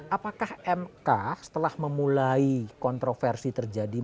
apakah mk setelah memulai kontroversi terjadi